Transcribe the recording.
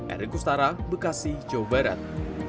eri kustara bekasi jawa barat